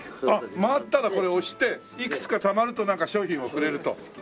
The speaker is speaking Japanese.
あっ回ったらこれ押していくつかたまるとなんか商品をくれると。